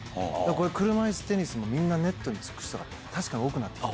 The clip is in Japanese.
これ、車いすテニスもみんなネットにつく人が確かに多くなってきた。